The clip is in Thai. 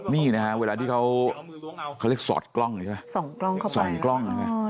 นี่นะฮะเวลาที่เขาเรียกสอดกล้องใช่ไหมส่องกล้อง